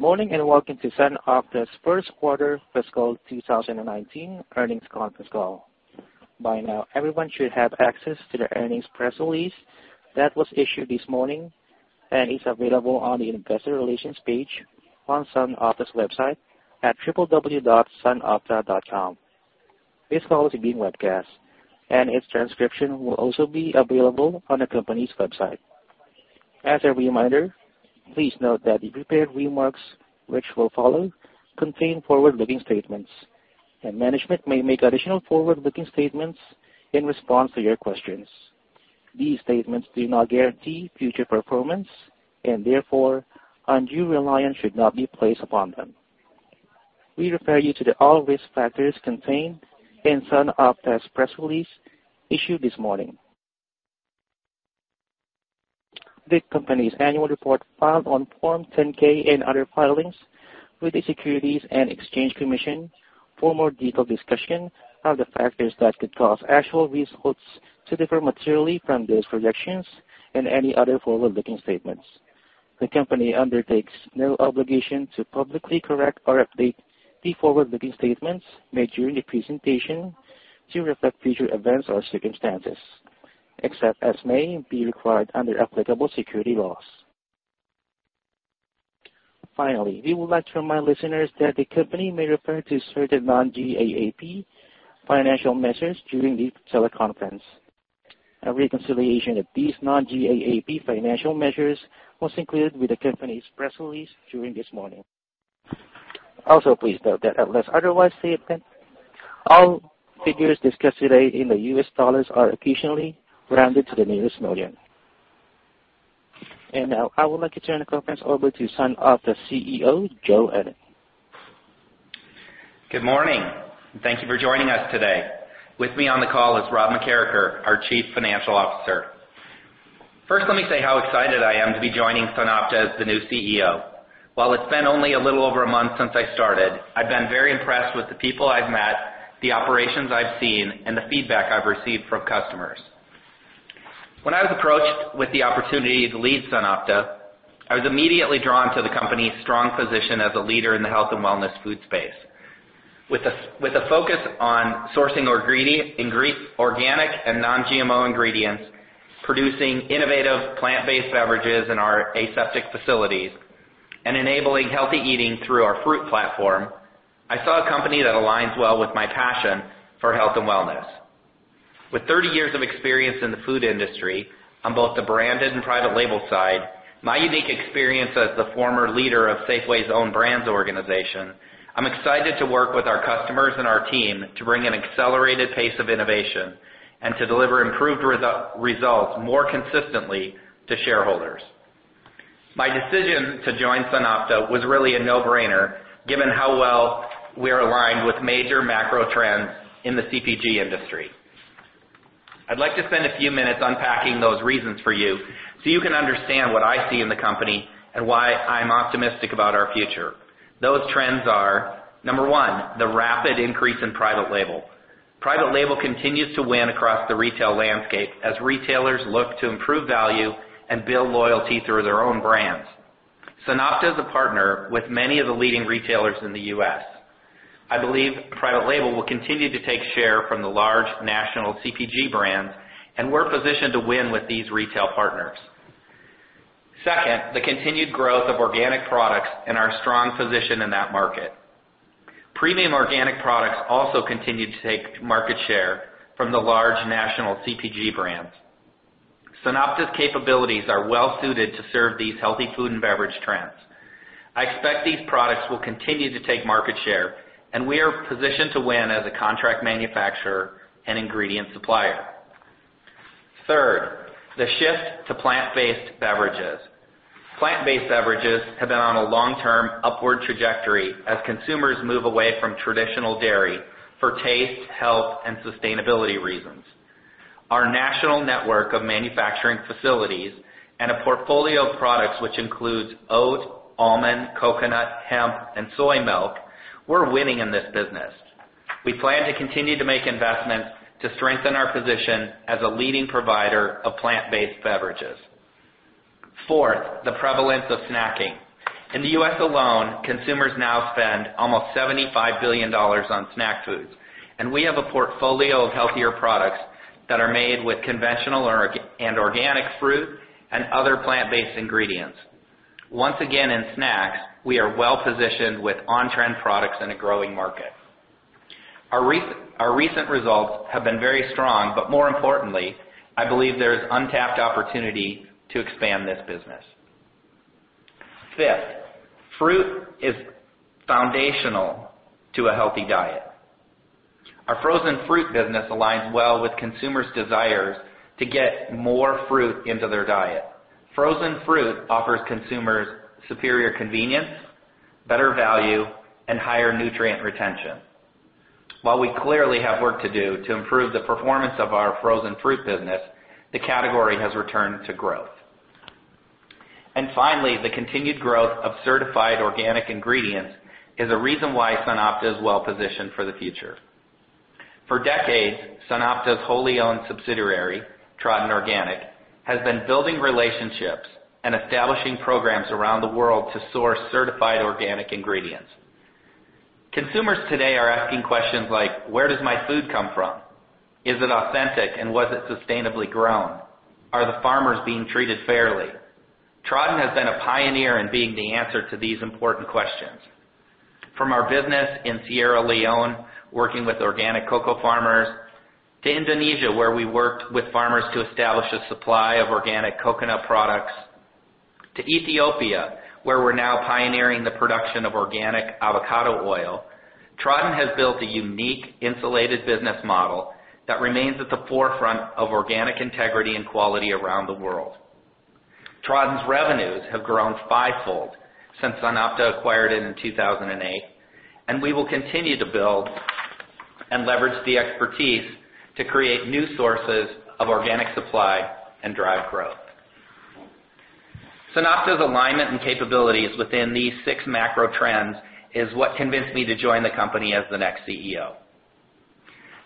Morning, welcome to SunOpta's first quarter fiscal 2019 earnings conference call. By now, everyone should have access to the earnings press release that was issued this morning and is available on the investor relations page on SunOpta's website at www.sunopta.com. This call is being webcast, and its transcription will also be available on the company's website. As a reminder, please note that the prepared remarks which will follow contain forward-looking statements, and management may make additional forward-looking statements in response to your questions. These statements do not guarantee future performance, and therefore, undue reliance should not be placed upon them. We refer you to all risk factors contained in SunOpta's press release issued this morning. The company's annual report filed on Form 10-K and other filings with the Securities and Exchange Commission for more detailed discussion of the factors that could cause actual results to differ materially from those projections and any other forward-looking statements. The company undertakes no obligation to publicly correct or update the forward-looking statements made during the presentation to reflect future events or circumstances, except as may be required under applicable security laws. Finally, we would like to remind listeners that the company may refer to certain non-GAAP financial measures during the teleconference. A reconciliation of these non-GAAP financial measures was included with the company's press release this morning. Also, please note that unless otherwise stated, all figures discussed today in the US dollars are occasionally rounded to the nearest million. Now, I would like to turn the conference over to SunOpta CEO, Joe Ennen. Good morning, thank you for joining us today. With me on the call is Rob McKeracher, our Chief Financial Officer. First, let me say how excited I am to be joining SunOpta as the new CEO. While it's been only a little over a month since I started, I've been very impressed with the people I've met, the operations I've seen, and the feedback I've received from customers. When I was approached with the opportunity to lead SunOpta, I was immediately drawn to the company's strong position as a leader in the health and wellness food space. With a focus on sourcing organic and non-GMO ingredients, producing innovative plant-based beverages in our aseptic facilities, and enabling healthy eating through our fruit platform, I saw a company that aligns well with my passion for health and wellness. With 30 years of experience in the food industry on both the branded and private label side, my unique experience as the former leader of Safeway's own brands organization, I'm excited to work with our customers and our team to bring an accelerated pace of innovation and to deliver improved results more consistently to shareholders. My decision to join SunOpta was really a no-brainer given how well we are aligned with major macro trends in the CPG industry. I'd like to spend a few minutes unpacking those reasons for you so you can understand what I see in the company and why I'm optimistic about our future. Those trends are, number 1, the rapid increase in private label. Private label continues to win across the retail landscape as retailers look to improve value and build loyalty through their own brands. SunOpta is a partner with many of the leading retailers in the U.S. I believe private label will continue to take share from the large national CPG brands, and we're positioned to win with these retail partners. Second, the continued growth of organic products and our strong position in that market. Premium organic products also continue to take market share from the large national CPG brands. SunOpta's capabilities are well suited to serve these healthy food and beverage trends. I expect these products will continue to take market share, and we are positioned to win as a contract manufacturer and ingredient supplier. Third, the shift to plant-based beverages. Plant-based beverages have been on a long-term upward trajectory as consumers move away from traditional dairy for taste, health, and sustainability reasons. Our national network of manufacturing facilities and a portfolio of products which includes oat, almond, coconut, hemp, and soy milk, we're winning in this business. We plan to continue to make investments to strengthen our position as a leading provider of plant-based beverages. Fourth, the prevalence of snacking. In the U.S. alone, consumers now spend almost $75 billion on snack foods, and we have a portfolio of healthier products that are made with conventional and organic fruit and other plant-based ingredients. Once again, in snacks, we are well positioned with on-trend products in a growing market. More importantly, I believe there is untapped opportunity to expand this business. Fifth, fruit is foundational to a healthy diet. Our frozen fruit business aligns well with consumers' desires to get more fruit into their diet. Frozen fruit offers consumers superior convenience, better value, and higher nutrient retention. While we clearly have work to do to improve the performance of our frozen fruit business, the category has returned to growth. Finally, the continued growth of certified organic ingredients is a reason why SunOpta is well positioned for the future. For decades, SunOpta's wholly owned subsidiary, Tradin Organic, has been building relationships and establishing programs around the world to source certified organic ingredients. Consumers today are asking questions like: Where does my food come from? Is it authentic, and was it sustainably grown? Are the farmers being treated fairly? Tradin has been a pioneer in being the answer to these important questions. From our business in Sierra Leone, working with organic cocoa farmers, to Indonesia, where we worked with farmers to establish a supply of organic coconut products, to Ethiopia, where we're now pioneering the production of organic avocado oil, Tradin has built a unique, insulated business model that remains at the forefront of organic integrity and quality around the world. Tradin's revenues have grown fivefold since SunOpta acquired it in 2008, and we will continue to build and leverage the expertise to create new sources of organic supply and drive growth. SunOpta's alignment and capabilities within these six macro trends is what convinced me to join the company as the next CEO.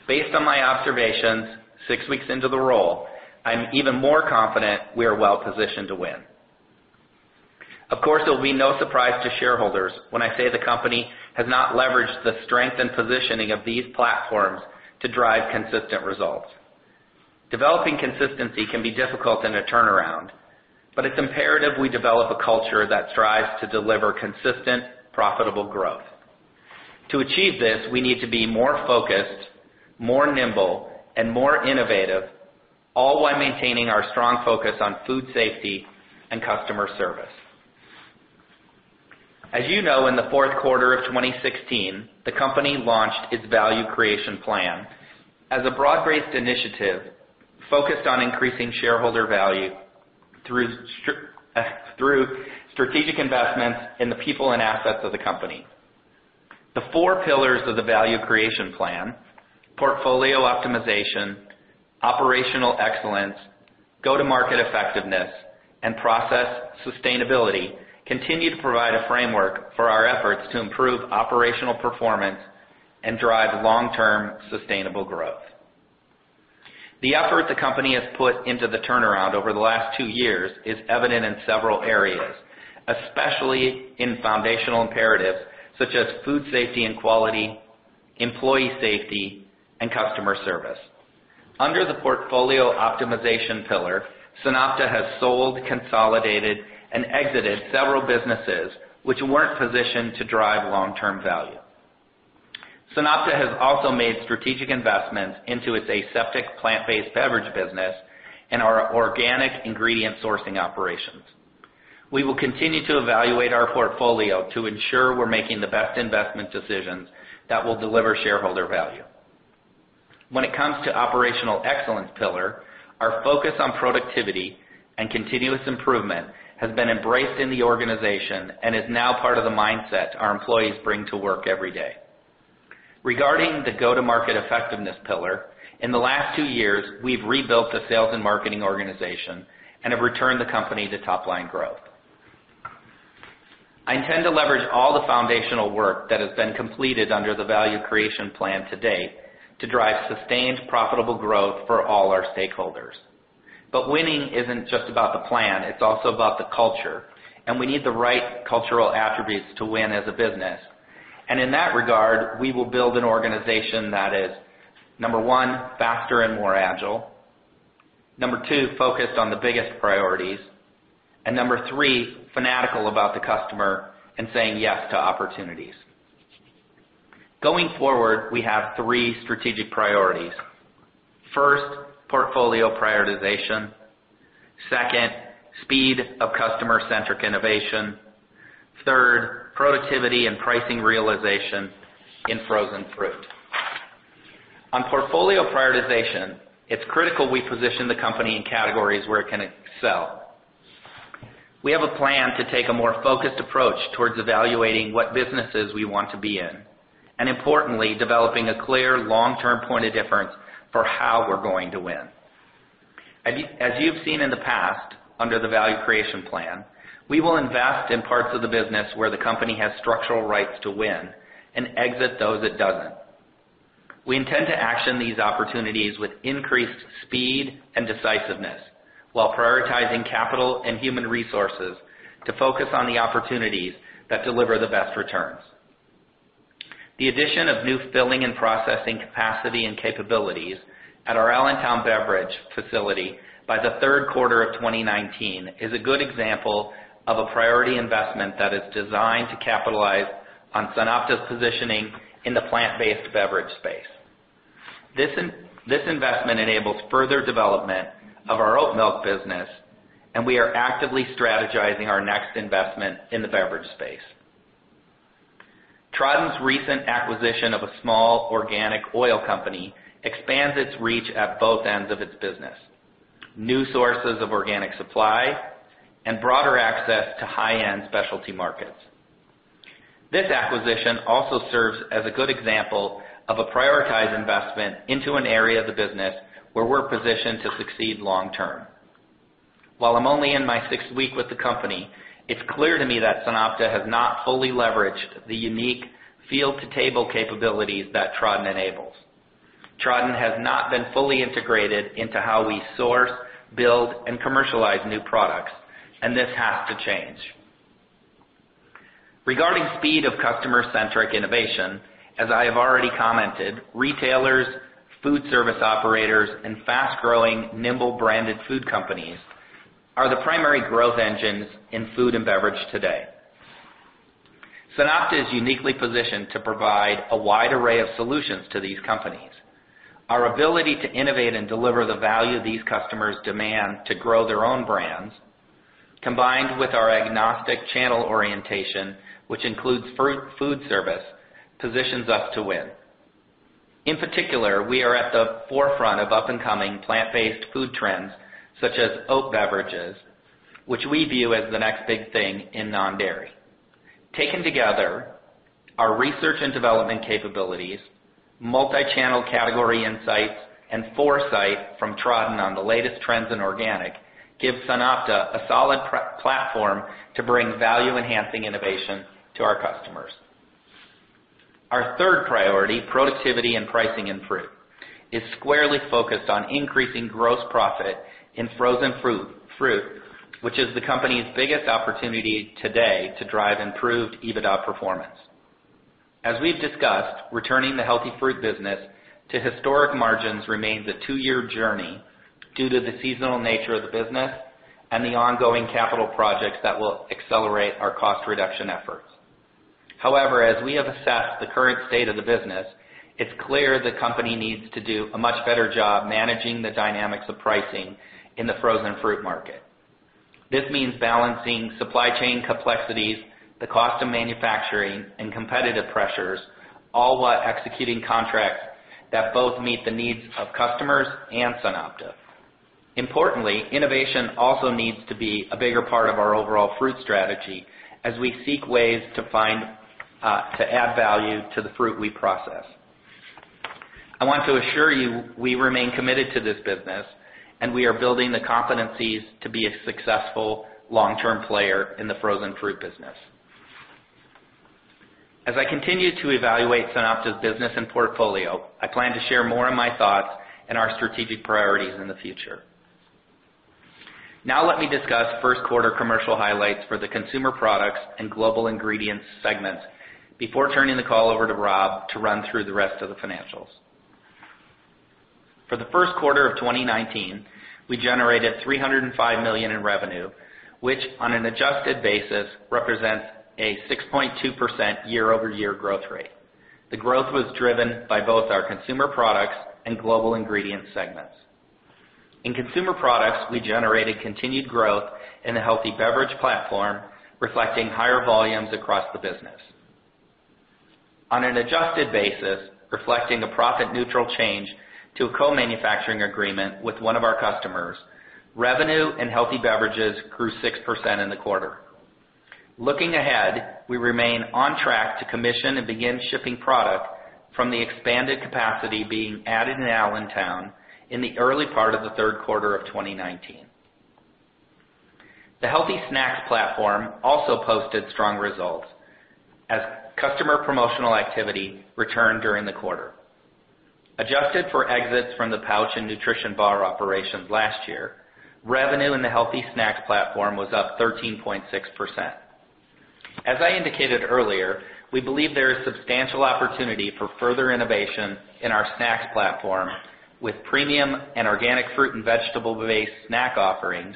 Based on my observations six weeks into the role, I'm even more confident we are well positioned to win. Of course, it will be no surprise to shareholders when I say the company has not leveraged the strength and positioning of these platforms to drive consistent results. Developing consistency can be difficult in a turnaround, but it's imperative we develop a culture that strives to deliver consistent, profitable growth. To achieve this, we need to be more focused, more nimble, and more innovative, all while maintaining our strong focus on food safety and customer service. As you know, in the fourth quarter of 2016, the company launched its Value Creation Plan as a broad-based initiative focused on increasing shareholder value through strategic investments in the people and assets of the company. The four pillars of the Value Creation Plan, Portfolio Optimization, Operational Excellence, Go-to-Market Effectiveness, and Process Sustainability, continue to provide a framework for our efforts to improve operational performance and drive long-term sustainable growth. The effort the company has put into the turnaround over the last two years is evident in several areas, especially in foundational imperatives such as food safety and quality, employee safety, and customer service. Under the Portfolio Optimization pillar, SunOpta has sold, consolidated, and exited several businesses which weren't positioned to drive long-term value. SunOpta has also made strategic investments into its aseptic plant-based beverage business and our organic ingredient sourcing operations. We will continue to evaluate our portfolio to ensure we're making the best investment decisions that will deliver shareholder value. When it comes to Operational Excellence pillar, our focus on productivity and continuous improvement has been embraced in the organization and is now part of the mindset our employees bring to work every day. Regarding the Go-to-Market Effectiveness pillar, in the last two years, we've rebuilt the sales and marketing organization and have returned the company to top-line growth. I intend to leverage all the foundational work that has been completed under the Value Creation Plan to date to drive sustained, profitable growth for all our stakeholders. Winning isn't just about the plan, it's also about the culture, and we need the right cultural attributes to win as a business. In that regard, we will build an organization that is, number one, faster and more agile, number two, focused on the biggest priorities, and number three, fanatical about the customer and saying yes to opportunities. Going forward, we have three strategic priorities. First, Portfolio Prioritization. Second, Speed of Customer-Centric Innovation. Third, Productivity and Pricing Realization in Frozen Fruit. On Portfolio Prioritization, it's critical we position the company in categories where it can excel. We have a plan to take a more focused approach towards evaluating what businesses we want to be in, and importantly, developing a clear long-term point of difference for how we're going to win. As you've seen in the past, under the Value Creation Plan, we will invest in parts of the business where the company has structural rights to win and exit those it doesn't. We intend to action these opportunities with increased speed and decisiveness while prioritizing capital and human resources to focus on the opportunities that deliver the best returns. The addition of new filling and processing capacity and capabilities at our Allentown beverage facility by the third quarter of 2019 is a good example of a priority investment that is designed to capitalize on SunOpta's positioning in the plant-based beverage space. This investment enables further development of our oat milk business, and we are actively strategizing our next investment in the beverage space. Tradin's recent acquisition of a small organic oil company expands its reach at both ends of its business, new sources of organic supply, and broader access to high-end specialty markets. This acquisition also serves as a good example of a prioritized investment into an area of the business where we're positioned to succeed long term. While I'm only in my sixth week with the company, it's clear to me that SunOpta has not fully leveraged the unique field to table capabilities that Tradin enables. Tradin has not been fully integrated into how we source, build, and commercialize new products, and this has to change. Regarding speed of customer-centric innovation, as I have already commented, retailers, food service operators, and fast-growing, nimble branded food companies are the primary growth engines in food and beverage today. SunOpta is uniquely positioned to provide a wide array of solutions to these companies. Our ability to innovate and deliver the value these customers demand to grow their own brands, combined with our agnostic channel orientation, which includes food service, positions us to win. In particular, we are at the forefront of up and coming plant-based food trends such as oat beverages, which we view as the next big thing in non-dairy. Taken together, our research and development capabilities, multi-channel category insights, and foresight from Tradin on the latest trends in organic, give SunOpta a solid platform to bring value-enhancing innovation to our customers. Our third priority, productivity and pricing in fruit, is squarely focused on increasing gross profit in frozen fruit, which is the company's biggest opportunity today to drive improved EBITDA performance. As we've discussed, returning the healthy fruit business to historic margins remains a two-year journey due to the seasonal nature of the business and the ongoing capital projects that will accelerate our cost reduction efforts. However, as we have assessed the current state of the business, it's clear the company needs to do a much better job managing the dynamics of pricing in the frozen fruit market. This means balancing supply chain complexities, the cost of manufacturing, and competitive pressures, all while executing contracts that both meet the needs of customers and SunOpta. Importantly, innovation also needs to be a bigger part of our overall fruit strategy as we seek ways to add value to the fruit we process. I want to assure you, we remain committed to this business, and we are building the competencies to be a successful long-term player in the frozen fruit business. As I continue to evaluate SunOpta's business and portfolio, I plan to share more on my thoughts and our strategic priorities in the future. Now let me discuss first quarter commercial highlights for the Consumer Products and Global Ingredients segments before turning the call over to Rob to run through the rest of the financials. For the first quarter of 2019, we generated $305 million in revenue, which on an adjusted basis represents a 6.2% year-over-year growth rate. The growth was driven by both our Consumer Products and Global Ingredient segments. In Consumer Products, we generated continued growth in the healthy beverage platform, reflecting higher volumes across the business. On an adjusted basis, reflecting a profit-neutral change to a co-manufacturing agreement with one of our customers, revenue and healthy beverages grew 6% in the quarter. Looking ahead, we remain on track to commission and begin shipping product from the expanded capacity being added in Alexandria in the early part of the third quarter of 2019. The healthy snacks platform also posted strong results as customer promotional activity returned during the quarter. Adjusted for exits from the pouch and nutrition bar operations last year, revenue in the healthy snacks platform was up 13.6%. As I indicated earlier, we believe there is substantial opportunity for further innovation in our snacks platform with premium and organic fruit and vegetable-based snack offerings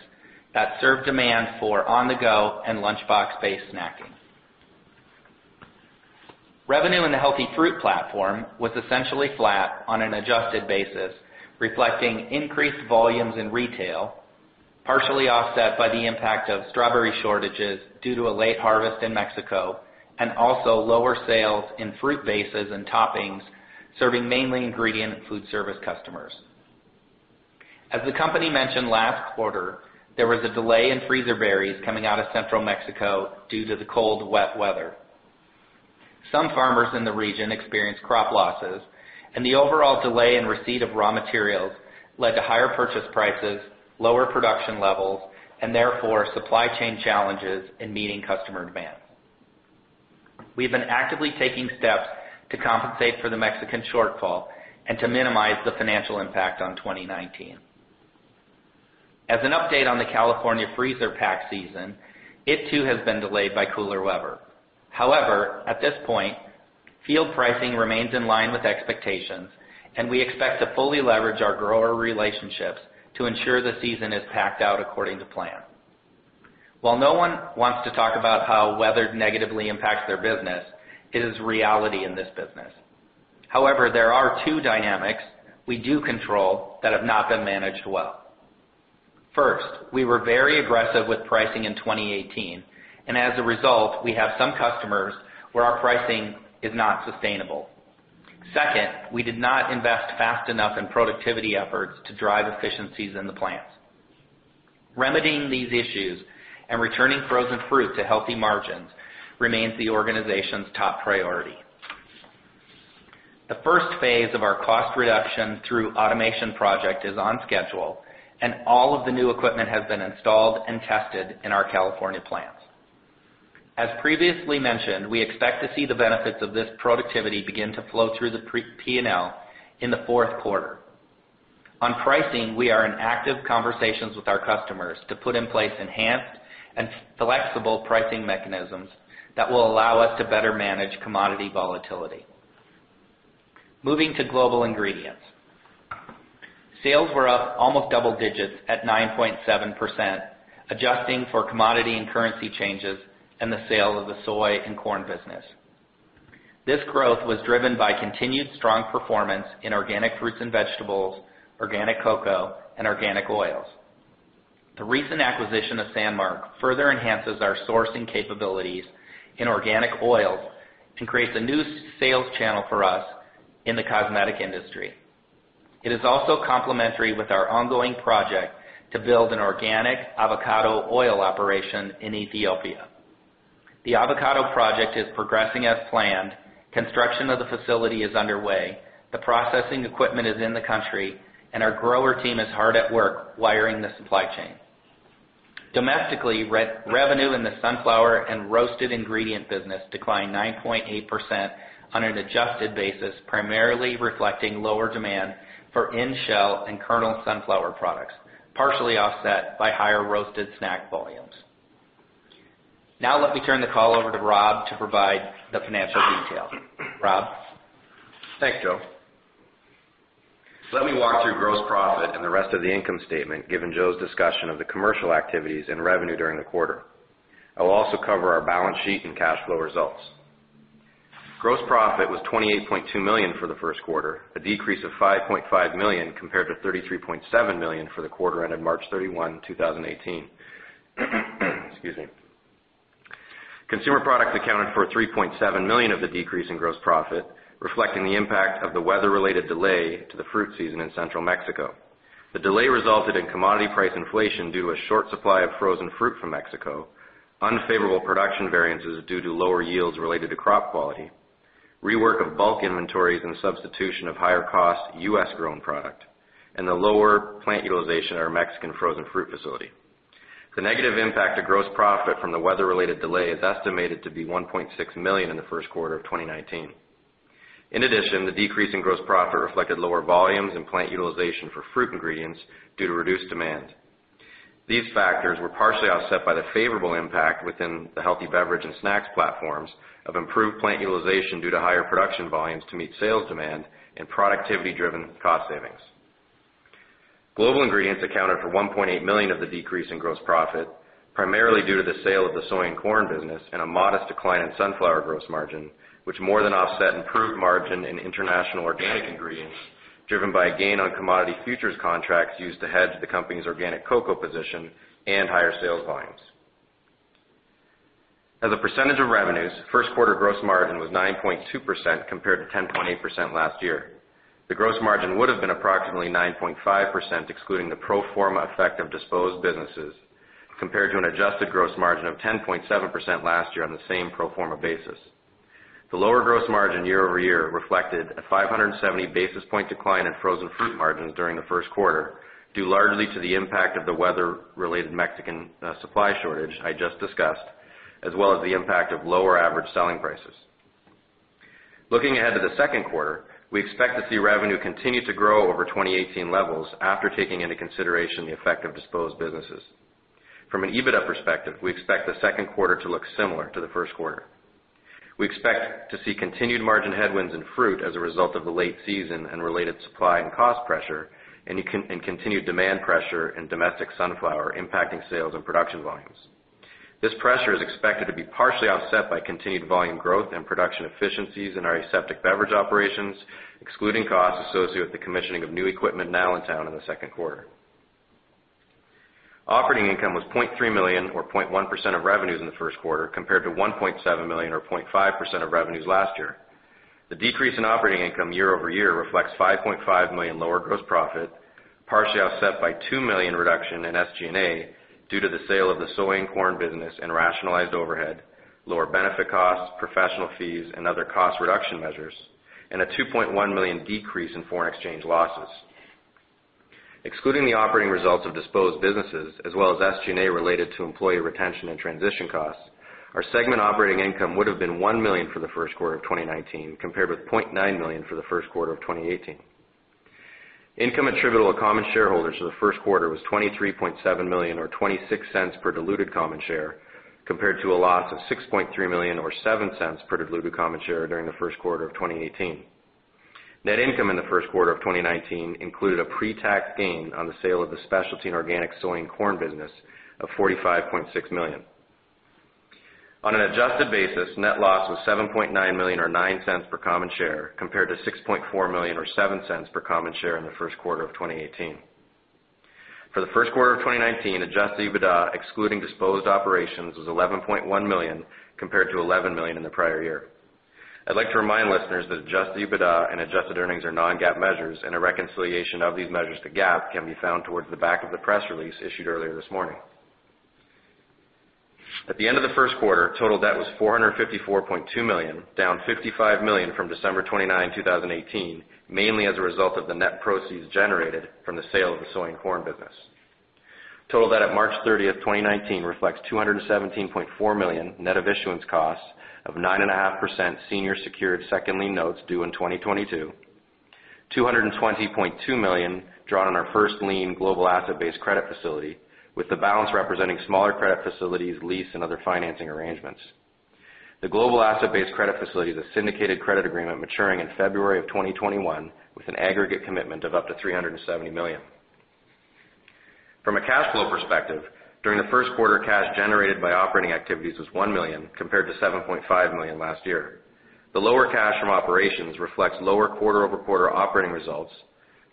that serve demand for on-the-go and lunchbox-based snacking. Revenue in the healthy fruit platform was essentially flat on an adjusted basis, reflecting increased volumes in retail, partially offset by the impact of strawberry shortages due to a late harvest in Mexico, and also lower sales in fruit bases and toppings, serving mainly ingredient and food service customers. As the company mentioned last quarter, there was a delay in freezer berries coming out of central Mexico due to the cold, wet weather. Some farmers in the region experienced crop losses, and the overall delay in receipt of raw materials led to higher purchase prices, lower production levels, and therefore supply chain challenges in meeting customer demand. We've been actively taking steps to compensate for the Mexican shortfall and to minimize the financial impact on 2019. As an update on the California freezer pack season, it too has been delayed by cooler weather. At this point, field pricing remains in line with expectations, and we expect to fully leverage our grower relationships to ensure the season is packed out according to plan. While no one wants to talk about how weather negatively impacts their business, it is reality in this business. There are two dynamics we do control that have not been managed well. First, we were very aggressive with pricing in 2018, and as a result, we have some customers where our pricing is not sustainable. Second, we did not invest fast enough in productivity efforts to drive efficiencies in the plants. Remedying these issues and returning frozen fruit to healthy margins remains the organization's top priority. The first phase of our cost reduction through automation project is on schedule, and all of the new equipment has been installed and tested in our California plants. As previously mentioned, we expect to see the benefits of this productivity begin to flow through the P&L in the fourth quarter. Moving to Global Ingredients. Sales were up almost double digits at 9.7%, adjusting for commodity and currency changes and the sale of the soy and corn business. This growth was driven by continued strong performance in organic fruits and vegetables, Organic Cocoa, and Organic Oils. The recent acquisition of Sanmark further enhances our sourcing capabilities in Organic Oils and creates a new sales channel for us in the cosmetic industry. It is also complementary with our ongoing project to build an Organic Avocado Oil operation in Ethiopia. The avocado project is progressing as planned. Construction of the facility is underway, the processing equipment is in the country, and our grower team is hard at work wiring the supply chain. Domestically, revenue in the sunflower and roasted ingredient business declined 9.8% on an adjusted basis, primarily reflecting lower demand for in-shell and kernel sunflower products, partially offset by higher roasted snack volumes. Let me turn the call over to Rob to provide the financial detail. Rob? Thanks, Joe. Let me walk through gross profit and the rest of the income statement, given Joe's discussion of the commercial activities and revenue during the quarter. I will also cover our balance sheet and cash flow results. Gross profit was $28.2 million for the first quarter, a decrease of $5.5 million compared to $33.7 million for the quarter ended March 31, 2018. Excuse me. Consumer products accounted for $3.7 million of the decrease in gross profit, reflecting the impact of the weather related delay to the fruit season in central Mexico. The delay resulted in commodity price inflation due to a short supply of frozen fruit from Mexico, unfavorable production variances due to lower yields related to crop quality, rework of bulk inventories and substitution of higher cost U.S. grown product, and the lower plant utilization at our Mexican frozen fruit facility. The negative impact to gross profit from the weather related delay is estimated to be $1.6 million in the first quarter of 2019. In addition, the decrease in gross profit reflected lower volumes and plant utilization for fruit ingredients due to reduced demand. These factors were partially offset by the favorable impact within the healthy beverage and snacks platforms of improved plant utilization due to higher production volumes to meet sales demand and productivity driven cost savings. Global Ingredients accounted for $1.8 million of the decrease in gross profit, primarily due to the sale of the soy and corn business and a modest decline in sunflower gross margin, which more than offset improved margin in international organic ingredients, driven by a gain on commodity futures contracts used to hedge the company's organic cocoa position and higher sales volumes. As a percentage of revenues, first quarter gross margin was 9.2% compared to 10.8% last year. The gross margin would've been approximately 9.5%, excluding the pro forma effect of disposed businesses, compared to an adjusted gross margin of 10.7% last year on the same pro forma basis. The lower gross margin year-over-year reflected a 570 basis point decline in frozen fruit margins during the first quarter, due largely to the impact of the weather related Mexican supply shortage I just discussed, as well as the impact of lower average selling prices. Looking ahead to the second quarter, we expect to see revenue continue to grow over 2018 levels after taking into consideration the effect of disposed businesses. From an EBITDA perspective, we expect the second quarter to look similar to the first quarter. We expect to see continued margin headwinds in fruit as a result of the late season and related supply and cost pressure and continued demand pressure in domestic sunflower impacting sales and production volumes. This pressure is expected to be partially offset by continued volume growth and production efficiencies in our aseptic beverage operations, excluding costs associated with the commissioning of new equipment in Alexandria in the second quarter. Operating income was $0.3 million, or 0.1% of revenues in the first quarter, compared to $1.7 million or 0.5% of revenues last year. The decrease in operating income year-over-year reflects $5.5 million lower gross profit, partially offset by $2 million reduction in SG&A due to the sale of the soy and corn business and rationalized overhead, lower benefit costs, professional fees and other cost reduction measures, and a $2.1 million decrease in foreign exchange losses. Excluding the operating results of disposed businesses as well as SG&A related to employee retention and transition costs, our segment operating income would've been $1 million for the first quarter of 2019, compared with $0.9 million for the first quarter of 2018. Income attributable to common shareholders for the first quarter was $23.7 million or $0.26 per diluted common share, compared to a loss of $6.3 million or $0.07 per diluted common share during the first quarter of 2018. Net income in the first quarter of 2019 included a pre-tax gain on the sale of the specialty and organic soy and corn business of $45.6 million. On an adjusted basis, net loss was $7.9 million or $0.09 per common share, compared to $6.4 million or $0.07 per common share in the first quarter of 2018. For the first quarter of 2019, adjusted EBITDA excluding disposed operations was $11.1 million, compared to $11 million in the prior year. I'd like to remind listeners that adjusted EBITDA and adjusted earnings are non-GAAP measures, and a reconciliation of these measures to GAAP can be found towards the back of the press release issued earlier this morning. At the end of the first quarter, total debt was $454.2 million, down $55 million from December 29, 2018, mainly as a result of the net proceeds generated from the sale of the soy and corn business. Total debt at March 30, 2019, reflects $217.4 million net of issuance costs of 9.5% senior secured second lien notes due in 2022, $220.2 million drawn on our first lien global asset-based credit facility, with the balance representing smaller credit facilities, lease, and other financing arrangements. The global asset-based credit facility is a syndicated credit agreement maturing in February of 2021 with an aggregate commitment of up to $370 million. From a cash flow perspective, during the first quarter, cash generated by operating activities was $1 million compared to $7.5 million last year. The lower cash from operations reflects lower quarter-over-quarter operating results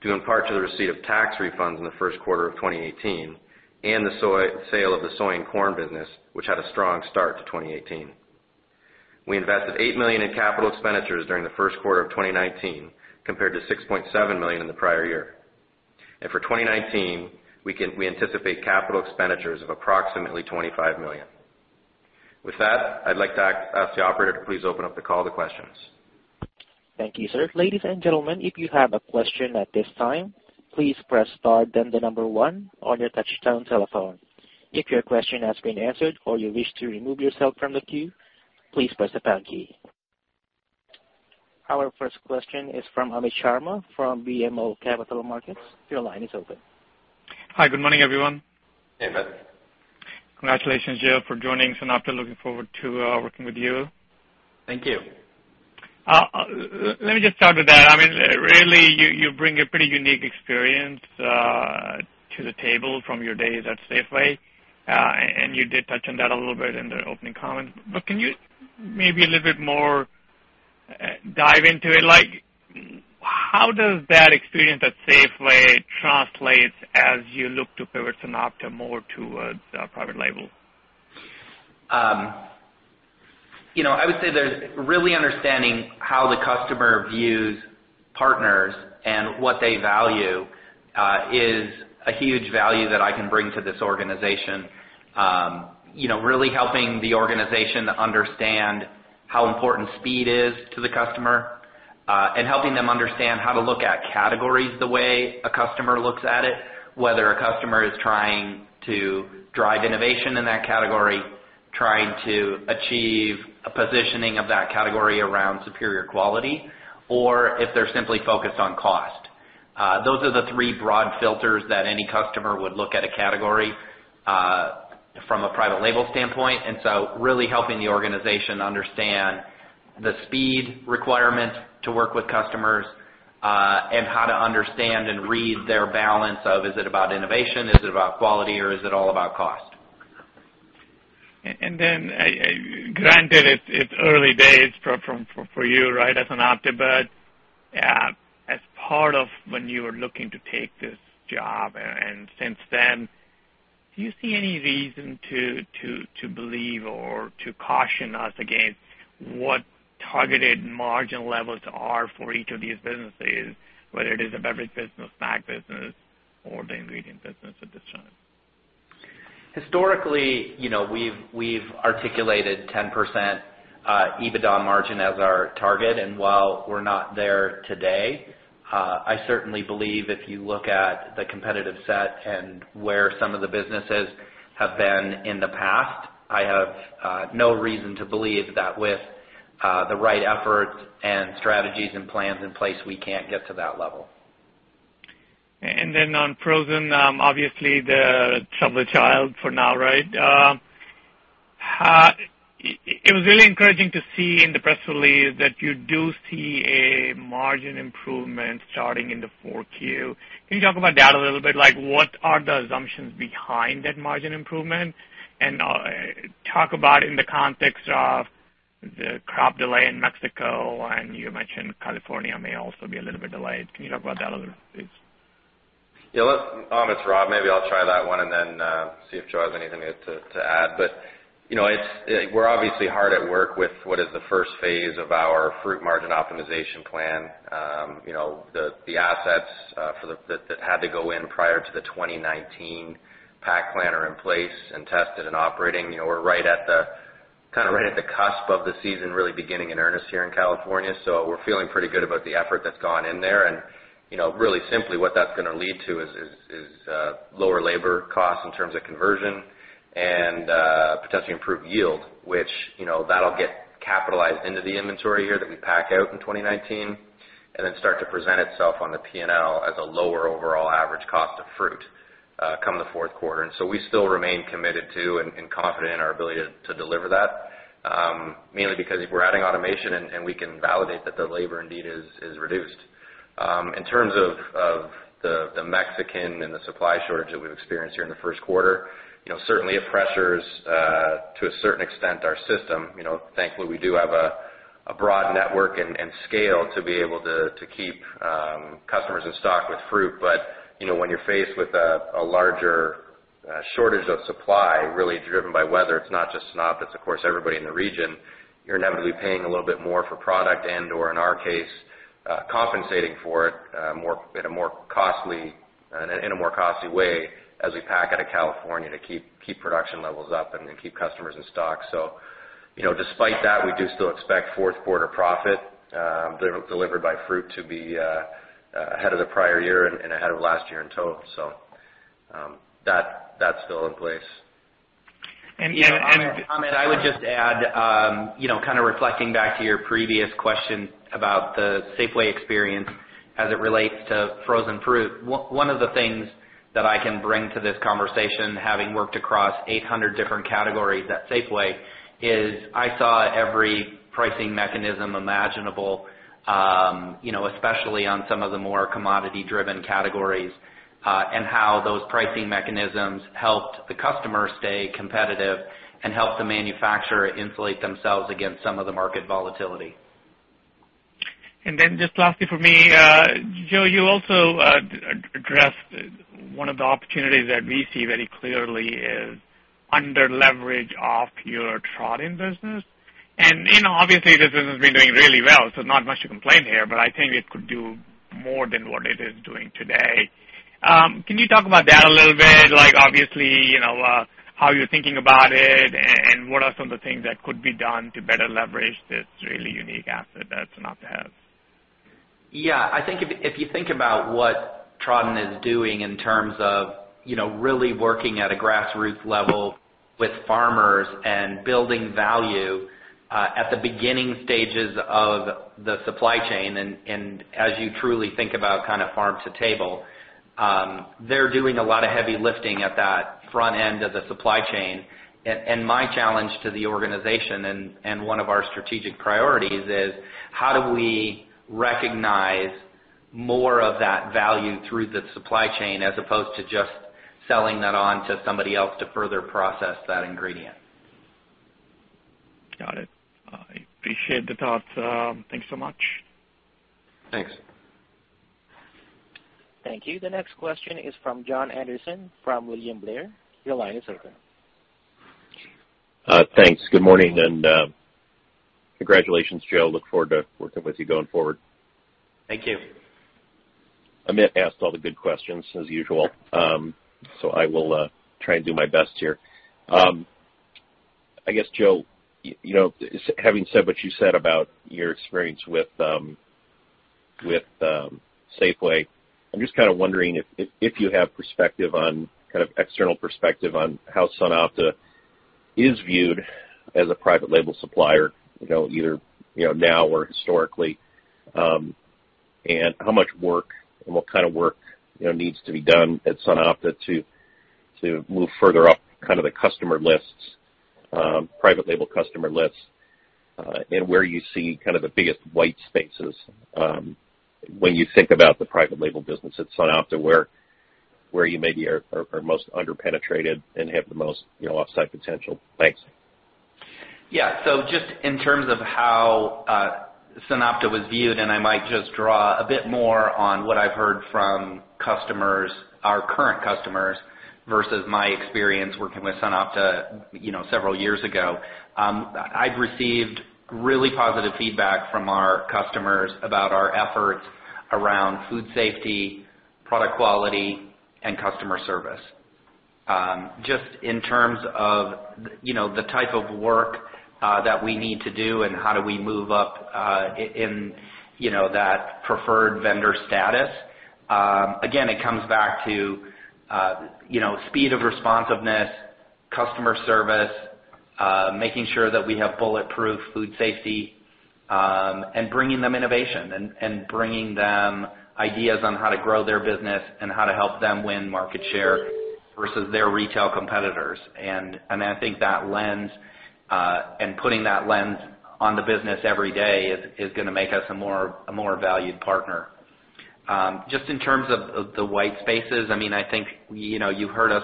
due in part to the receipt of tax refunds in the first quarter of 2018 and the sale of the soy and corn business, which had a strong start to 2018. We invested $8 million in capital expenditures during the first quarter of 2019 compared to $6.7 million in the prior year. For 2019, we anticipate capital expenditures of approximately $25 million. With that, I'd like to ask the operator to please open up the call to questions. Thank you, sir. Ladies and gentlemen, if you have a question at this time, please press star then one on your touchtone telephone. If your question has been answered or you wish to remove yourself from the queue, please press the pound key. Our first question is from Amit Sharma from BMO Capital Markets. Your line is open. Hi. Good morning, everyone. Hey, Amit. Congratulations, Joe, for joining SunOpta. Looking forward to working with you. Thank you. Let me just start with that. Really, you bring a pretty unique experience to the table from your days at Safeway, and you did touch on that a little bit in the opening comments. Can you maybe a little bit more dive into it? How does that experience at Safeway translate as you look to pivot SunOpta more towards private label? I would say that really understanding how the customer views partners and what they value is a huge value that I can bring to this organization. Really helping the organization understand how important speed is to the customer and helping them understand how to look at categories the way a customer looks at it, whether a customer is trying to drive innovation in that category, trying to achieve a positioning of that category around superior quality, or if they're simply focused on cost. Those are the three broad filters that any customer would look at a category from a private label standpoint. Really helping the organization understand the speed requirement to work with customers and how to understand and read their balance of, is it about innovation, is it about quality, or is it all about cost? Granted it's early days for you, right, at SunOpta. As part of when you were looking to take this job and since then, do you see any reason to believe or to caution us against what targeted margin levels are for each of these businesses, whether it is the beverage business, snack business, or the ingredient business at this time? Historically, we've articulated 10% EBITDA margin as our target. While we're not there today, I certainly believe if you look at the competitive set and where some of the businesses have been in the past, I have no reason to believe that with the right effort and strategies and plans in place, we can't get to that level. Then on frozen, obviously the troubled child for now, right? It was really encouraging to see in the press release that you do see a margin improvement starting in the four Q. Can you talk about that a little bit? What are the assumptions behind that margin improvement? Talk about in the context of the crop delay in Mexico, and you mentioned California may also be a little bit delayed. Can you talk about that a little bit, please? Yeah. Amit, it's Rob. Maybe I'll try that one and then see if Joe has anything to add. We're obviously hard at work with what is the first phase of our fruit margin optimization plan. The assets that had to go in prior to the 2019 pack plan are in place and tested and operating. We're right at the cusp of the season really beginning in earnest here in California. We're feeling pretty good about the effort that's gone in there. Really simply what that's going to lead to is lower labor costs in terms of conversion and potentially improved yield, which that'll get capitalized into the inventory here that we pack out in 2019 and then start to present itself on the P&L as a lower overall average cost of fruit come the fourth quarter. We still remain committed to and confident in our ability to deliver that, mainly because we're adding automation and we can validate that the labor indeed is reduced. In terms of the Mexican and the supply shortage that we've experienced here in the first quarter, certainly it pressures to a certain extent our system. Thankfully, we do have a broad network and scale to be able to keep customers in stock with fruit. When you're faced with a larger shortage of supply really driven by weather, it's not just SunOpta, it's of course everybody in the region, you're inevitably paying a little bit more for product and/or in our case compensating for it in a more costly way as we pack out of California to keep production levels up and keep customers in stock. Despite that, we do still expect fourth quarter profit delivered by fruit to be ahead of the prior year and ahead of last year in total. That is still in place. Joe, Amit, I would just add, kind of reflecting back to your previous question about the Safeway experience as it relates to frozen fruit. One of the things that I can bring to this conversation, having worked across 800 different categories at Safeway, is I saw every pricing mechanism imaginable, especially on some of the more commodity-driven categories, and how those pricing mechanisms helped the customer stay competitive and helped the manufacturer insulate themselves against some of the market volatility. Then just lastly from me, Joe, you also addressed one of the opportunities that we see very clearly is under leverage of your Tradin business. Obviously, this business has been doing really well, so not much to complain here, but I think it could do more than what it is doing today. Can you talk about that a little bit? Obviously, how you are thinking about it and what are some of the things that could be done to better leverage this really unique asset that SunOpta has. Yeah. I think if you think about what Tradin is doing in terms of really working at a grassroots level with farmers and building value at the beginning stages of the supply chain, as you truly think about farm to table, they're doing a lot of heavy lifting at that front end of the supply chain. My challenge to the organization and one of our strategic priorities is how do we recognize more of that value through the supply chain as opposed to just selling that on to somebody else to further process that ingredient. Got it. I appreciate the thoughts. Thanks so much. Thanks. Thank you. The next question is from Jon Andersen, from William Blair. Your line is open. Thanks. Good morning, and congratulations, Joe. Look forward to working with you going forward. Thank you. Amit asked all the good questions, as usual. I will try and do my best here. I guess, Joe, having said what you said about your experience with Safeway, I'm just kind of wondering if you have perspective on, kind of external perspective on how SunOpta is viewed as a private label supplier, either now or historically. How much work and what kind of work needs to be done at SunOpta to move further up kind of the customer lists, private label customer lists. Where you see kind of the biggest white spaces when you think about the private label business at SunOpta, where you maybe are most under-penetrated and have the most upside potential. Thanks. Yeah. Just in terms of how SunOpta was viewed, I might just draw a bit more on what I've heard from customers, our current customers, versus my experience working with SunOpta several years ago. I've received really positive feedback from our customers about our efforts around food safety, product quality, and customer service. Just in terms of the type of work that we need to do and how do we move up in that preferred vendor status. Again, it comes back to speed of responsiveness, customer service, making sure that we have bulletproof food safety, and bringing them innovation and bringing them ideas on how to grow their business and how to help them win market share versus their retail competitors. I think that lens, and putting that lens on the business every day is going to make us a more valued partner. Just in terms of the white spaces, I think you've heard us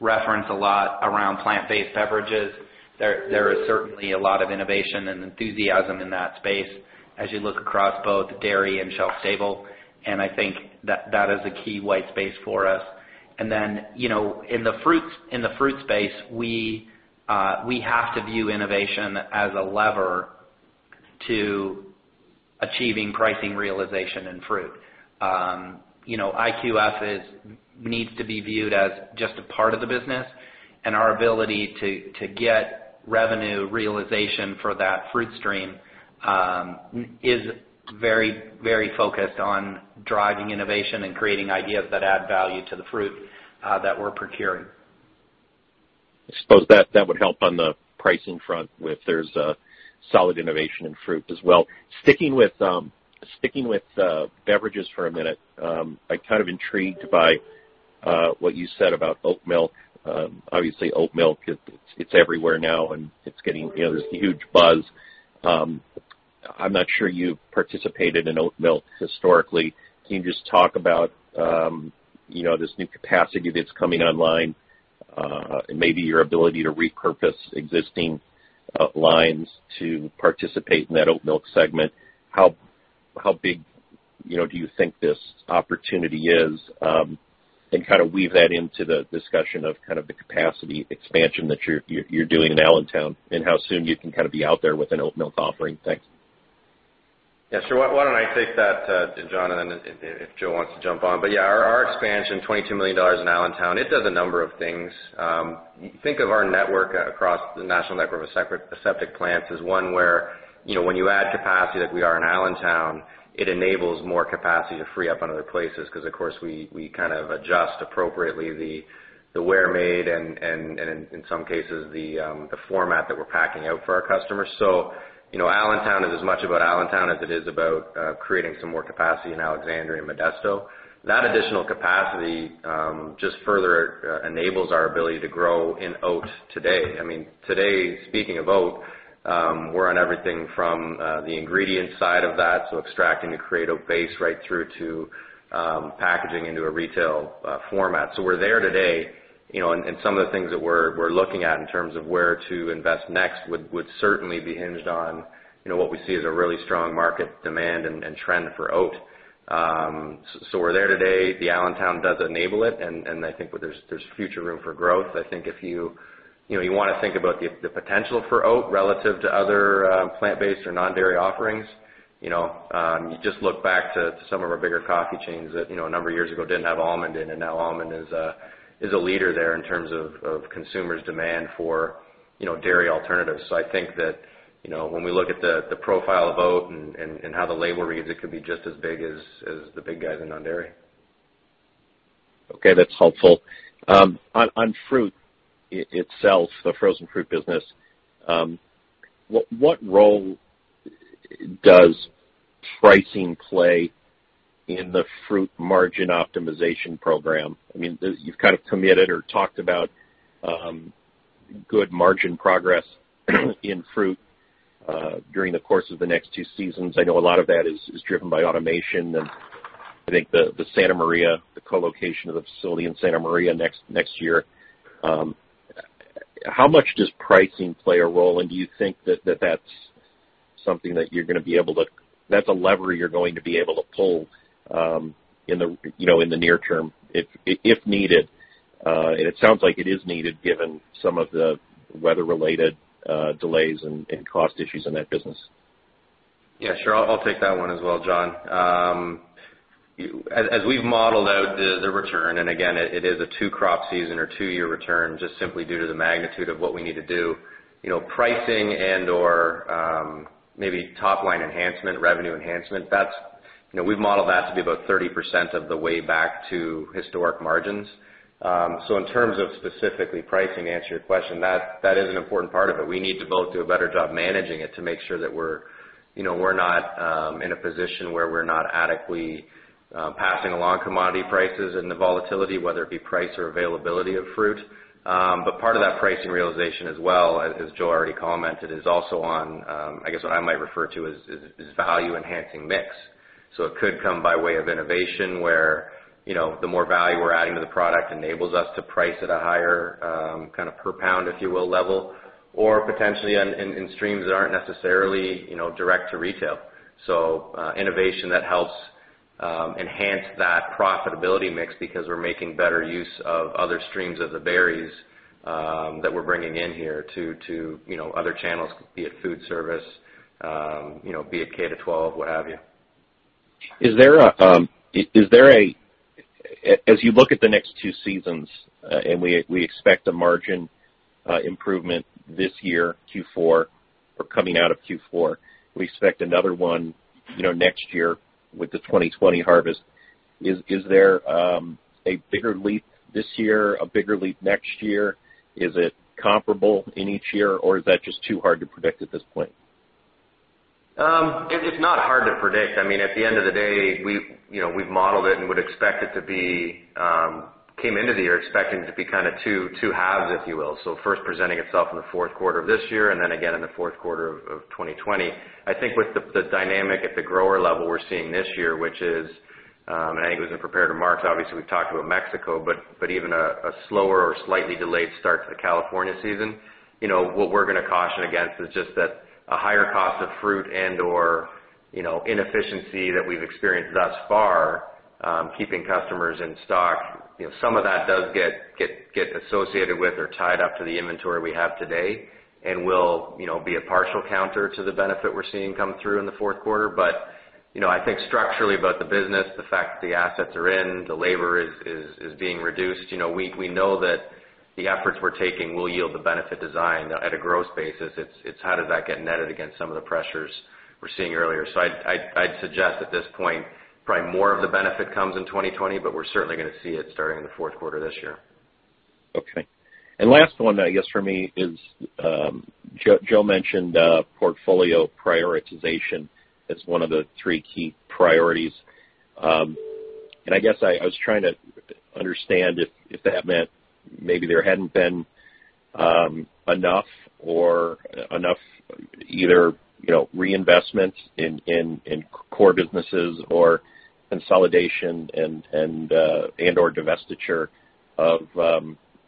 reference a lot around plant-based beverages. There is certainly a lot of innovation and enthusiasm in that space as you look across both dairy and shelf-stable, I think that is a key white space for us. Then, in the fruit space, we have to view innovation as a lever to achieving pricing realization in fruit. IQF needs to be viewed as just a part of the business, our ability to get revenue realization for that fruit stream is very focused on driving innovation and creating ideas that add value to the fruit that we're procuring. I suppose that would help on the pricing front if there's a solid innovation in fruit as well. Sticking with beverages for a minute. I'm kind of intrigued by what you said about oat milk. Obviously, oat milk, it's everywhere now and there's this huge buzz. I'm not sure you participated in oat milk historically. Can you just talk about this new capacity that's coming online and maybe your ability to repurpose existing lines to participate in that oat milk segment? How big do you think this opportunity is? Kind of weave that into the discussion of the capacity expansion that you're doing in Allentown and how soon you can kind of be out there with an oat milk offering. Thanks. Yeah, sure. Why don't I take that, Jon, and then if Joe wants to jump on. Our expansion, $22 million in Allentown, it does a number of things. Think of our network across the national network of aseptic plants as one where when you add capacity like we are in Allentown, it enables more capacity to free up in other places, because, of course, we kind of adjust appropriately the where made and in some cases, the format that we're packing out for our customers. Allentown is as much about Allentown as it is about creating some more capacity in Alexandria and Modesto. That additional capacity just further enables our ability to grow in oat today. Today, speaking of oat, we're on everything from the ingredient side of that, so extracting the oat base right through to packaging into a retail format. We're there today, and some of the things that we're looking at in terms of where to invest next would certainly be hinged on what we see as a really strong market demand and trend for oat. We're there today. The Allentown does enable it, and I think there's future room for growth. I think if you want to think about the potential for oat relative to other plant-based or non-dairy offerings, you just look back to some of our bigger coffee chains that a number of years ago didn't have almond in, and now almond is a leader there in terms of consumers' demand for dairy alternatives. I think that when we look at the profile of oat and how the label reads, it could be just as big as the big guys in non-dairy. Okay, that's helpful. On fruit itself, the frozen fruit business, what role does pricing play in the fruit margin optimization plan? You've kind of committed or talked about good margin progress in fruit during the course of the next two seasons. I know a lot of that is driven by automation and I think the co-location of the facility in Santa Maria next year. How much does pricing play a role, and do you think that that's a lever you're going to be able to pull in the near term if needed? It sounds like it is needed given some of the weather related delays and cost issues in that business. Yeah, sure. I'll take that one as well, Jon. As we've modeled out the return, and again, it is a two crop season or two year return, just simply due to the magnitude of what we need to do. Pricing and/or maybe top line enhancement, revenue enhancement, we've modeled that to be about 30% of the way back to historic margins. In terms of specifically pricing, to answer your question, that is an important part of it. We need to both do a better job managing it to make sure that we're not in a position where we're not adequately passing along commodity prices and the volatility, whether it be price or availability of fruit. Part of that pricing realization as well, as Joe already commented, is also on, I guess what I might refer to as value enhancing mix. It could come by way of innovation where the more value we're adding to the product enables us to price at a higher kind of per pound, if you will, level, or potentially in streams that aren't necessarily direct to retail. Innovation that helps enhance that profitability mix because we're making better use of other streams of the berries that we're bringing in here to other channels, be it food service, be it K to 12, what have you. As you look at the next two seasons, and we expect a margin improvement this year, Q4 or coming out of Q4, we expect another one next year with the 2020 harvest. Is there a bigger leap this year, a bigger leap next year? Is it comparable in each year, or is that just too hard to predict at this point? It's not hard to predict. At the end of the day, we've modeled it and came into the year expecting it to be two halves, if you will. First presenting itself in the fourth quarter of this year, and then again in the fourth quarter of 2020. I think with the dynamic at the grower level we're seeing this year, which is, and I think it was in prepared remarks, obviously we've talked about Mexico, but even a slower or slightly delayed start to the California season. What we're going to caution against is just that a higher cost of fruit and/or inefficiency that we've experienced thus far keeping customers in stock. Some of that does get associated with or tied up to the inventory we have today and will be a partial counter to the benefit we're seeing come through in the fourth quarter. I think structurally about the business, the fact that the assets are in, the labor is being reduced. We know that the efforts we're taking will yield the benefit design at a gross basis. It's how does that get netted against some of the pressures we're seeing earlier. I'd suggest at this point, probably more of the benefit comes in 2020, but we're certainly going to see it starting in the fourth quarter this year. Okay. Last one, I guess for me is Joe mentioned portfolio prioritization as one of the three key priorities. I guess I was trying to understand if that meant maybe there hadn't been enough or enough either reinvestment in core businesses or consolidation and/or divestiture of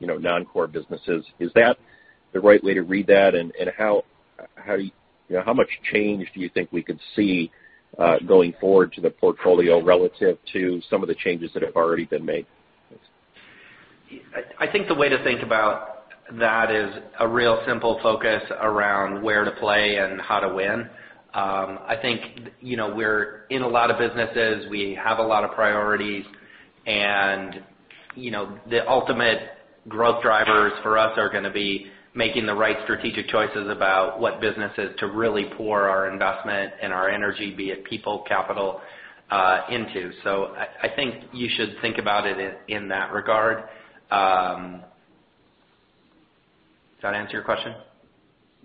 non-core businesses. Is that the right way to read that? How much change do you think we could see going forward to the portfolio relative to some of the changes that have already been made? I think the way to think about that is a real simple focus around where to play and how to win. I think we're in a lot of businesses. We have a lot of priorities, and the ultimate growth drivers for us are going to be making the right strategic choices about what businesses to really pour our investment and our energy, be it people, capital, into. I think you should think about it in that regard. Does that answer your question?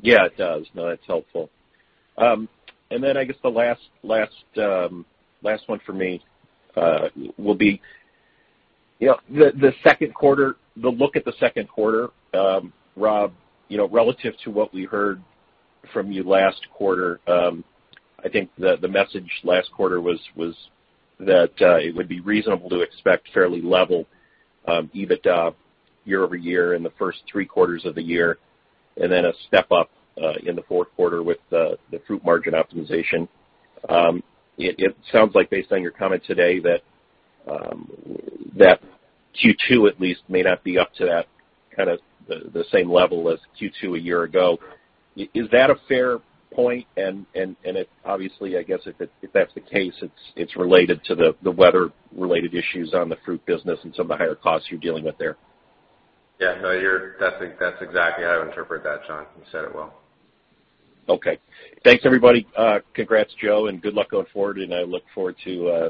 Yeah, it does. No, that's helpful. Then I guess the last one for me will be the look at the second quarter, Rob, relative to what we heard from you last quarter. I think the message last quarter was that it would be reasonable to expect fairly level EBITDA year-over-year in the first three quarters of the year, and then a step up in the fourth quarter with the fruit margin optimization. It sounds like based on your comment today that Q2 at least may not be up to that the same level as Q2 a year ago. Is that a fair point? Obviously, I guess if that's the case, it's related to the weather-related issues on the fruit business and some of the higher costs you're dealing with there. Yeah. No, that's exactly how I interpret that, John. You said it well. Okay. Thanks, everybody. Congrats, Joe, and good luck going forward, and I look forward to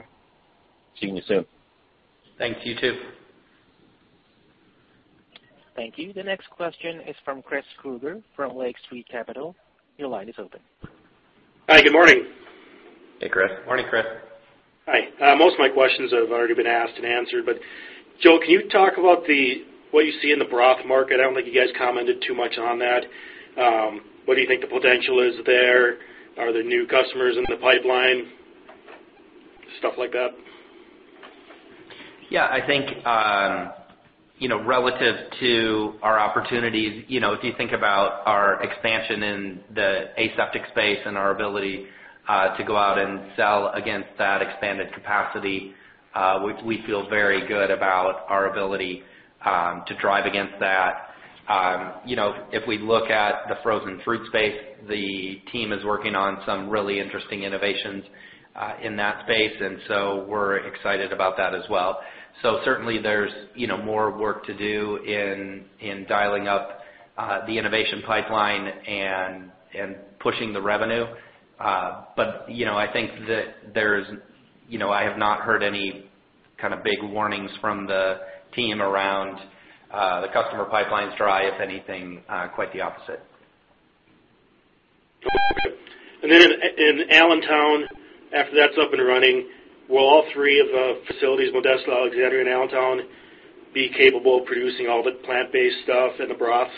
seeing you soon. Thanks. You too. Thank you. The next question is from Chris Krueger from Lake Street Capital. Your line is open. Hi, good morning. Hey, Chris. Morning, Chris. Hi. Most of my questions have already been asked and answered, but Joe, can you talk about what you see in the broth market? I don't think you guys commented too much on that. What do you think the potential is there? Are there new customers in the pipeline? Stuff like that. Yeah, I think, relative to our opportunities, if you think about our expansion in the aseptic space and our ability to go out and sell against that expanded capacity, we feel very good about our ability to drive against that. If we look at the frozen fruit space, the team is working on some really interesting innovations in that space, and we're excited about that as well. Certainly there's more work to do in dialing up the innovation pipeline and pushing the revenue. I think that I have not heard any kind of big warnings from the team around the customer pipeline's dry, if anything, quite the opposite. Okay. In Allentown, after that's up and running, will all three of the facilities, Modesto, Alexandria, and Allentown, be capable of producing all the plant-based stuff and the broth?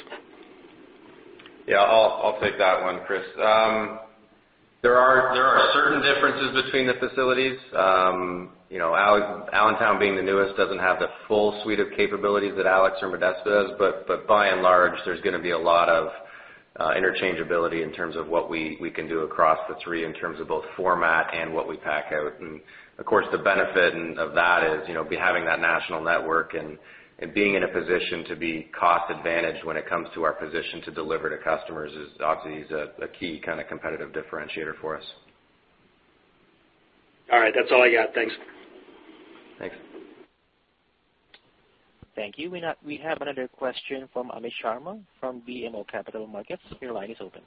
Yeah, I'll take that one, Chris. There are certain differences between the facilities. Allentown being the newest doesn't have the full suite of capabilities that Alexandria or Modesto does, by and large, there's going to be a lot of interchangeability in terms of what we can do across the three in terms of both format and what we pack out. Of course, the benefit of that is having that national network and being in a position to be cost advantage when it comes to our position to deliver to customers is obviously a key kind of competitive differentiator for us. All right. That's all I got. Thanks. Thanks. Thank you. We have another question from Amit Sharma from BMO Capital Markets. Your line is open.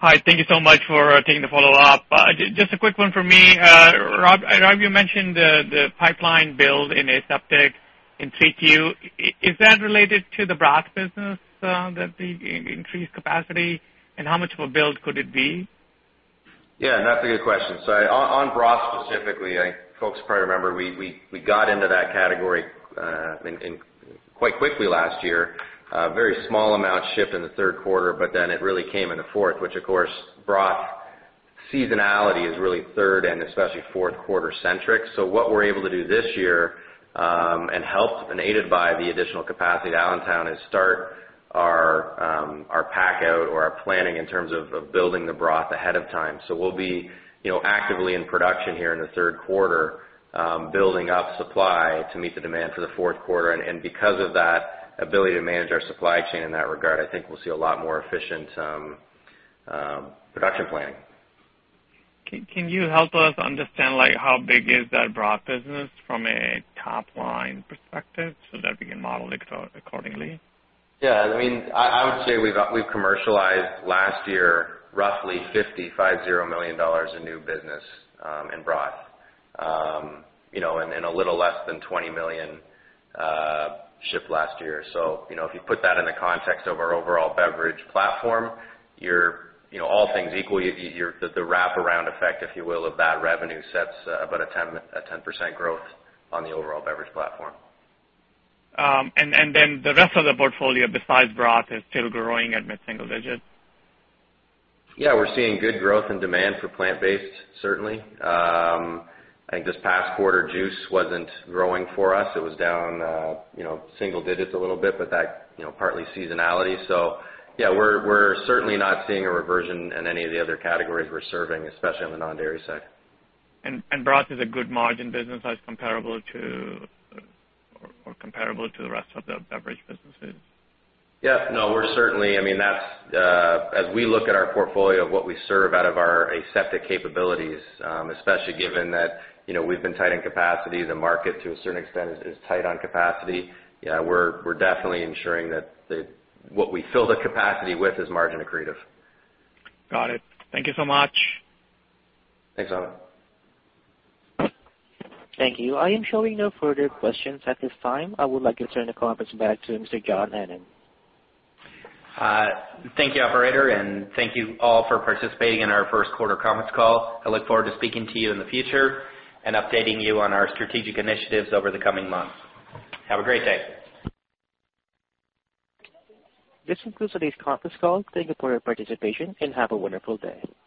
Hi. Thank you so much for taking the follow-up. Just a quick one for me. Rob, you mentioned the pipeline build in aseptic in 3Q. Is that related to the broth business, the increased capacity, and how much of a build could it be? Yeah, that's a good question. On broth specifically, folks probably remember, we got into that category quite quickly last year. A very small amount shipped in the third quarter, but then it really came in the fourth, which of course, broth seasonality is really third and especially fourth quarter centric. What we're able to do this year, and helped and aided by the additional capacity at Allentown, is start our pack-out or our planning in terms of building the broth ahead of time. We'll be actively in production here in the third quarter, building up supply to meet the demand for the fourth quarter. Because of that ability to manage our supply chain in that regard, I think we'll see a lot more efficient production planning. Can you help us understand how big is that broth business from a top-line perspective so that we can model it accordingly? Yeah. I would say we've commercialized last year roughly $50 million in new business in broth. A little less than $20 million shipped last year. If you put that in the context of our overall beverage platform, all things equal, the wraparound effect, if you will, of that revenue sets about a 10% growth on the overall beverage platform. Then the rest of the portfolio, besides broth, is still growing at mid-single digits? Yeah, we're seeing good growth and demand for plant-based, certainly. I think this past quarter, juice wasn't growing for us. It was down single digits a little bit, but that partly seasonality. Yeah, we're certainly not seeing a reversion in any of the other categories we're serving, especially on the non-dairy side. Broth is a good margin business that's comparable to the rest of the beverage businesses? No, we're certainly as we look at our portfolio of what we serve out of our aseptic capabilities, especially given that we've been tight in capacity, the market to a certain extent is tight on capacity. We're definitely ensuring that what we fill the capacity with is margin accretive. Got it. Thank you so much. Thanks, Amit. Thank you. I am showing no further questions at this time. I would like to turn the conference back to Mr. John Hannon. Thank you, operator. Thank you all for participating in our first quarter conference call. I look forward to speaking to you in the future and updating you on our strategic initiatives over the coming months. Have a great day. This concludes today's conference call. Thank you for your participation. Have a wonderful day.